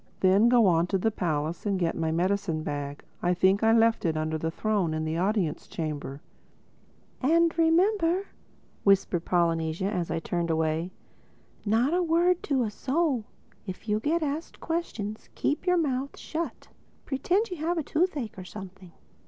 Then go on to the palace and get my medicine bag. I think I left it under the throne in the Audience Chamber." "And remember," Polynesia whispered as I turned away, "not a word to a soul. If you get asked questions, keep your mouth shut. Pretend you have a toothache or something."